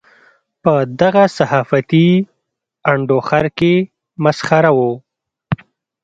په دغه صحافتي انډوخر کې مسخره وو.